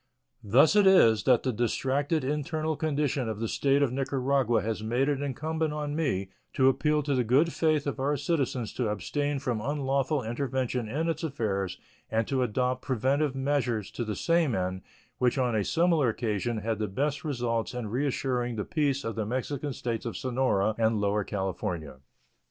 Thus it is that the distracted internal condition of the State of Nicaragua has made it incumbent on me to appeal to the good faith of our citizens to abstain from unlawful intervention in its affairs and to adopt preventive measures to the same end, which on a similar occasion had the best results in reassuring the peace of the Mexican States of Sonora and Lower California.